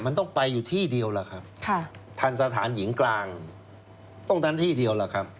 มันต้องไปอยู่ที่เดียวล่ะครับค่ะทันสถานหญิงกลางต้องนั้นที่เดียวล่ะครับ